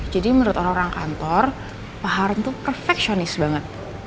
jadi menurut orang orang kantor pak hartawan tuh perfeksionis banget